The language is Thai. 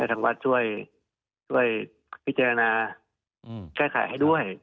ทางวัดช่วยพิจารณาแก้ไขให้ด้วย